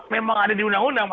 memang ada di undang undang